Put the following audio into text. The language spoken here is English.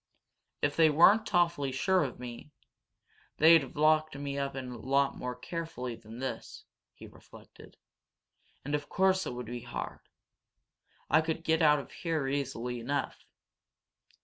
"If they weren't awfully sure of me, they'd have locked me up a lot more carefully than this," he reflected. "And of course it would be hard. I could get out of here easily enough."